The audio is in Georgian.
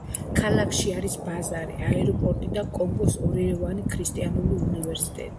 ქალაქში არის ბაზარი, აეროპორტი და კონგოს ორენოვანი ქრისტიანული უნივერსიტეტი.